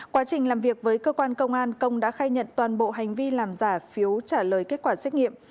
quá trình làm việc với cơ quan công an công đã khai nhận toàn bộ hành vi làm giả phiếu trả lời kết quả xét nghiệm